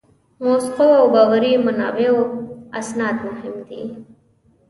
موثقو او باوري منابعو استناد مهم دی.